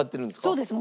そうです。